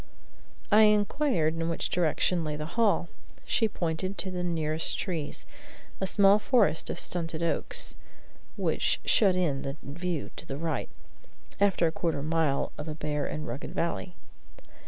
I inquired in which direction lay the hall. She pointed to the nearest trees, a small forest of stunted oaks, which shut in the view to the right, after quarter of a mile of a bare and rugged valley.